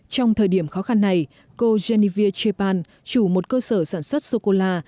trong thời điểm khó khăn này cô genevia chepan chủ một cơ sở sản xuất sô cô la